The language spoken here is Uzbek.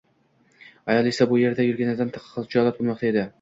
Ayol esa bu yerda turganidan xijolat bo‘lmoqda edi